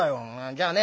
「じゃあね